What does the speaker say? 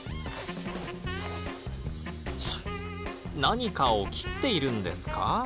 何かを切っているんですか？